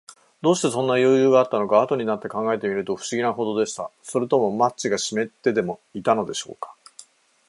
どうして、そんなよゆうがあったのか、あとになって考えてみると、ふしぎなほどでした。それともマッチがしめってでもいたのでしょうか。